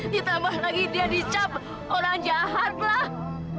ditambah lagi dia dicap orang jahat lah